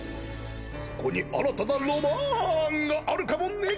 そこに新たなロマンがあるかもね。